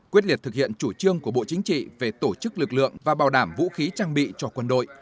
quyết liệt thực hiện chủ trương của bộ chính trị về tổ chức lực lượng và bảo đảm vũ khí trang bị cho quân đội